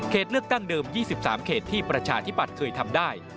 เลือกตั้งเดิม๒๓เขตที่ประชาธิปัตย์เคยทำได้